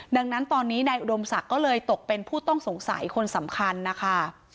ดังนั้นตอนนี้นายอุดมศักดิ์ก็เลยตกเป็นผู้ต้องสงสัยคนสำคัญนะคะ